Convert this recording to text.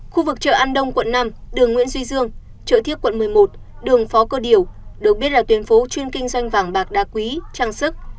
khu vực chợ an đông quận năm đường nguyễn duy dương chợ thiết quận một mươi một đường phó cơ điểu được biết là tuyến phố chuyên kinh doanh vàng bạc đa quý trang sức